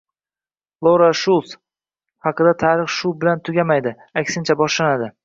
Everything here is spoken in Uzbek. Lora Shuls haqidagi tarix shu bilan tugamaydi, aksincha boshlanadi